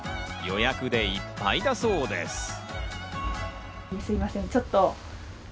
予約でいっぱいだそうです。